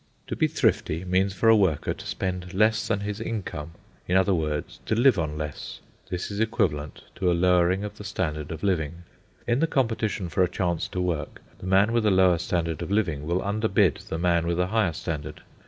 To be thrifty means for a worker to spend less than his income—in other words, to live on less. This is equivalent to a lowering of the standard of living. In the competition for a chance to work, the man with a lower standard of living will underbid the man with a higher standard.